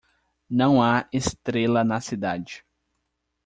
Não há estrela na cidade